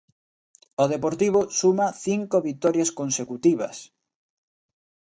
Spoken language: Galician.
O Deportivo suma cinco vitorias consecutivas.